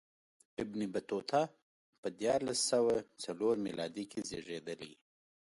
ابن بطوطه په دیارلس سوه څلور میلادي کې زېږېدلی.